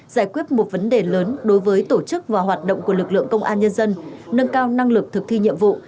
giải quyết một vấn đề lớn đối với tổ chức và hoạt động của lực lượng công an nhân dân nâng cao năng lực thực thi nhiệm vụ